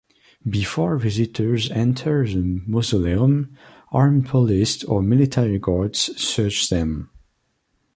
Before visitors enter the mausoleum, armed police or military guards search them.